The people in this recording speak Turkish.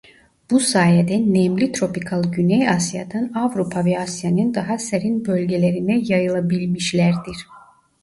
Bu sayede nemli tropikal güney Asya'dan Avrupa ve Asya'nın daha serin bölgelerine yayılabilmişlerdir.